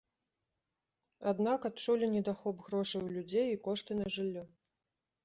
Аднак адчулі недахоп грошай у людзей і кошты на жыллё.